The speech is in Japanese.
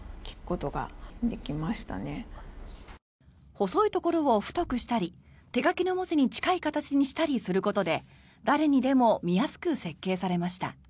細いところを太くしたり手書きの文字に近い形にしたりすることで誰にでも見やすく設計されました。